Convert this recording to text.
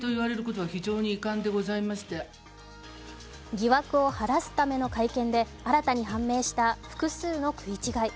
疑惑を晴らすための会見で新たに判明した複数の食い違い。